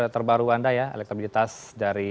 terbaru anda ya elektabilitas dari